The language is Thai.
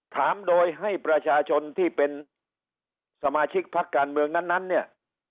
ถามโดยให้ประชาชนที่เป็นสมาชิกพักการเมืองนั้นเนี่ย